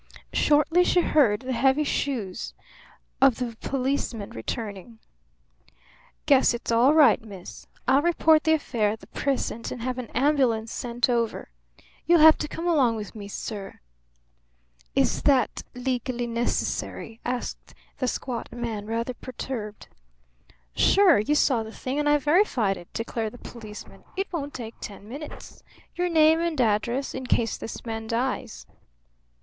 Shortly she heard the heavy shoes of the policeman returning. "Guess it's all right, miss. I'll report the affair at the precinct and have an ambulance sent over. You'll have to come along with me, sir." "Is that legally necessary?" asked the squat man, rather perturbed. "Sure. You saw the thing and I verified it," declared the policeman. "It won't take ten minutes. Your name and address, in case this man dies."